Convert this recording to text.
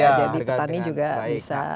jadi petani juga bisa dapat benefitnya